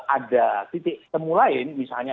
ada titik temulain misalnya